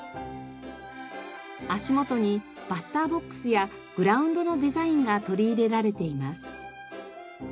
足元にバッターボックスやグラウンドのデザインが取り入れられています。